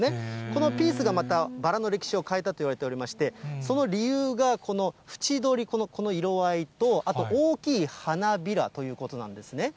このピースがまたバラの歴史を変えたといわれておりまして、その理由がこの縁どり、この色合いと、あと、大きい花びらということなんですね。